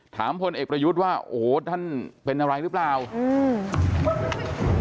พลเอกประยุทธ์ว่าโอ้โหท่านเป็นอะไรหรือเปล่าอืม